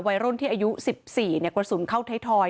วัยรุ่นที่อายุสิบสี่เนี่ยกว่าศูนย์เข้าท้ายทอย